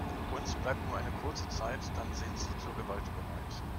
Uns bleibt nur eine kurze Zeit, dann sind sie zur Gewalt bereit.